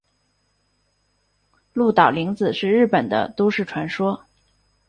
鹿岛零子是日本的都市传说。